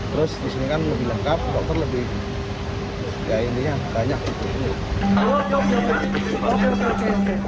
terus disini kan lebih lengkap dokter lebih ya intinya banyak